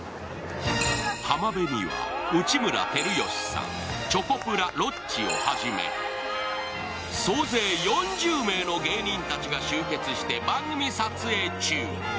浜辺には内村光良さん、チョコプラ・ロッチをはじめ総勢４０名の芸人たちが集結して番組撮影中。